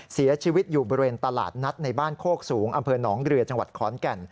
เสียชีวิตอยู่บริเวณตลาดนัดในบ้านโคกสูงอำเภอหนองเรือจังหวัดขอนแก่น